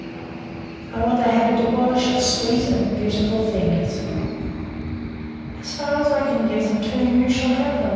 I want to have a debauch of sweet and beautiful things." "As far as I can give them you shall have them.